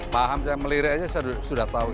paham saya melirik aja saya sudah tahu